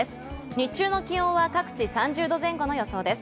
日中の気温は各地３０度前後の予想です。